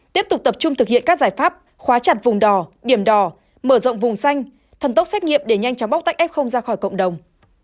tiếp tục tập trung thực hiện các giải pháp khóa chặt vùng đò điểm đỏ mở rộng vùng xanh thần tốc xét nghiệm để nhanh chóng bóc tách f ra khỏi cộng đồng